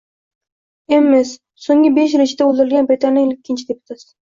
Emess — so‘nggi besh yil ichida o‘ldirilgan britaniyalik ikkinchi deputat